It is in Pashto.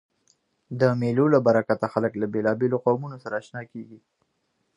د مېلو له برکته خلک له بېلابېلو قومو سره آشنا کېږي.